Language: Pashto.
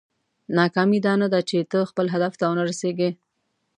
ناکامي دا نه ده چې ته خپل هدف ته ونه رسېږې.